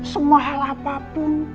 semua hal apapun